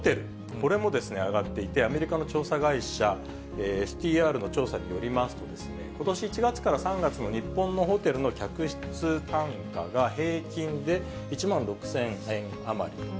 これも上がっていて、アメリカの調査会社、ＳＴＲの調査によりますと、ことし１月から３月の日本のホテルの客室単価が、平均で１万６０００円余りと。